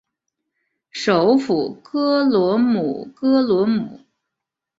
首府戈罗姆戈罗姆。